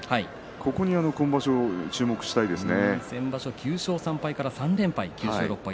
ここに今場所注目したいですね。